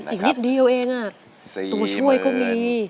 อีกนิดเดียวเองตัวช่วยก็มี